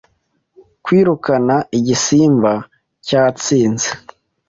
Kwirukana igisimba cyatsinze